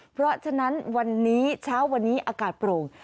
เพราะฉะนั้นวันนี้เช้าวันนี้อากาศโปร่ง